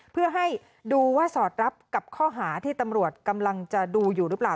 เพื่อให้ดูว่าสอดรับกับข้อหาที่ตำรวจกำลังจะดูอยู่หรือเปล่า